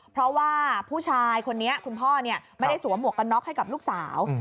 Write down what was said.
เพราะว่าผู้ชายคนนี้คุณพ่อไม่ได้สวมหมวกกันน็อกให้กับลูกสาว